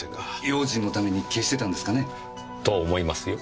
用心のために消してたんですかね？と思いますよ。